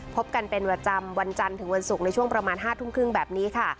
พบกันเป็นประจำวันจันทร์ถึงวันศุกร์ในช่วงประมาณ๕ทุ่มครึ่งแบบนี้ค่ะ